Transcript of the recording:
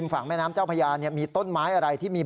มันคมไหมมันคมไหม